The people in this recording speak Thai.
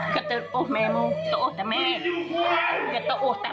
กังฟูเปล่าใหญ่มา